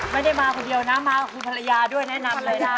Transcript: ไม่ได้มาคนเดียวนะมาเขาผู้บริยาการด้วยแนะนำเลยล่ะ